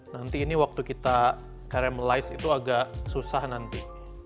nanti ini waktu kita karemalize itu agak susah nanti